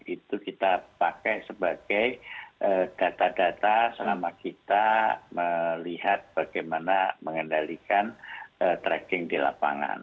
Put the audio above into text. itu kita pakai sebagai data data selama kita melihat bagaimana mengendalikan tracking di lapangan